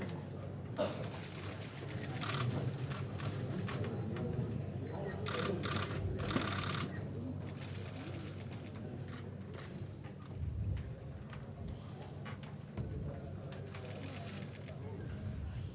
beserta pimpinan kpu republik indonesia untuk bisa merapatkan